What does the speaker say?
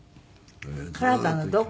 カナダのどこ？